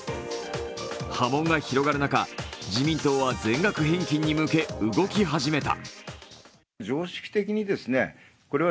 波紋が広がる中、自民党は全額返金に向け動き始めた。